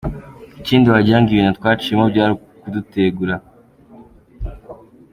Ikindi wagira ngo ibintu twaciyemo byari ukudutegura.